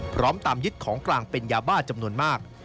พร้อมตามยึดของกลางเป็นยาบ้าจำนวนมาก